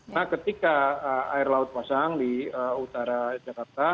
nah ketika air laut pasang di utara jakarta